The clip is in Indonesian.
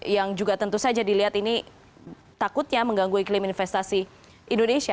yang juga tentu saja dilihat ini takutnya mengganggu iklim investasi indonesia